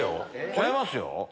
違いますよ。